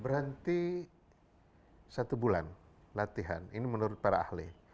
berhenti satu bulan latihan ini menurut para ahli